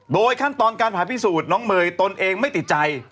โดยขั้นตอนการผ่าพิสูจน์น้องเมย์ตนเองไม่ติดใจ